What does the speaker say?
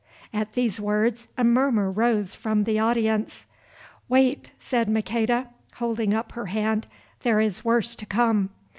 At these words a murmur rose from the audience. "Wait," said Maqueda, holding up her hand, "there is worse to come.